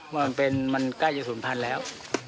ว่ามันเป็นมันใกล้จะสุนพันธ์แล้ว